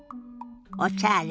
「おしゃれ」。